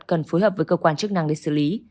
cần phối hợp với cơ quan chức năng để xử lý